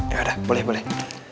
ya udah boleh boleh